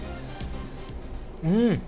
うん！